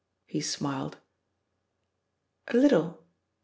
he smiled. "A little.